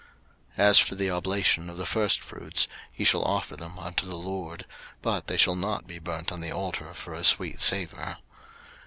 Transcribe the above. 03:002:012 As for the oblation of the firstfruits, ye shall offer them unto the LORD: but they shall not be burnt on the altar for a sweet savour.